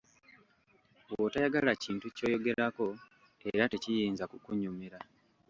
Bw'otayagala kintu ky'oyogerako era tekiyinza kukunyumira.